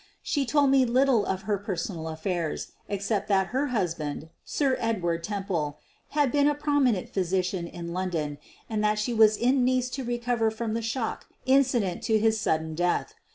She told me little of her personal affairs except) that her husband, Sir Edward Temple, had been a prominent physician in London and that she was in Nice to recover from the shock incident to his sudden death.